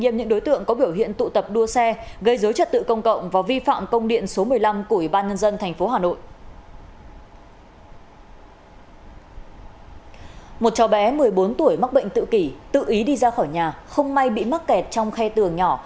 một cháu bé một mươi bốn tuổi mắc bệnh tự kỷ tự ý đi ra khỏi nhà không may bị mắc kẹt trong khe tường nhỏ